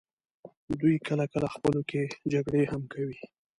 دوی کله کله خپلو کې جګړې هم کوي.